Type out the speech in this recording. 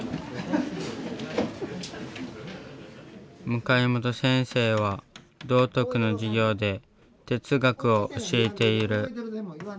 向本先生は道徳の授業で哲学を教えている。